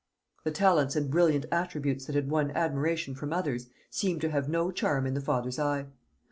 The talents and brilliant attributes that had won admiration from others seemed to have no charm in the father's eye.